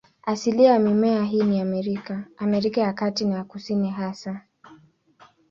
Asilia ya mimea hii ni Amerika, Amerika ya Kati na ya Kusini hasa.